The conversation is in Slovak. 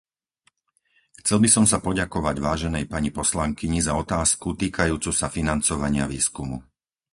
Chcel by som sa poďakovať váženej pani poslankyni za otázku týkajúcu sa financovania výskumu.